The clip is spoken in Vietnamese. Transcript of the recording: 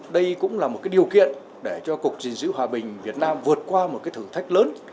đây cũng là một điều kiện để cho cục gìn giữ hòa bình việt nam vượt qua một cái thử thách lớn